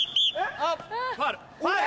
ファウル。